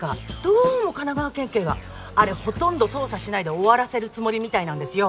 どうも神奈川県警があれほとんど捜査しないで終わらせるつもりみたいなんですよ。